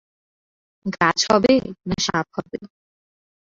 গাছ হবে, না সাপ হবে।